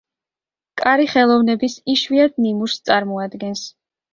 კარი ხელოვნების იშვიათ ნიმუშს წარმოადგენს.